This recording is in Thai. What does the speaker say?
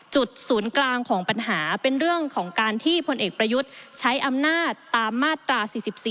ศูนย์กลางของปัญหาเป็นเรื่องของการที่พลเอกประยุทธ์ใช้อำนาจตามมาตรา๔๔